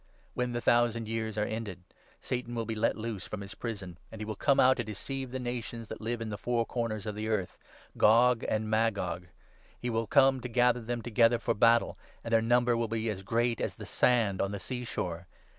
When the thousand years are ended, Satan will be let loose 7 from his prison, and he will come out to deceive the nations 8 that live in 'the four corners of the earth — Gog and Magog.' He will come to gather them together for battle ; and their number will be as great as the sand on the sea shore.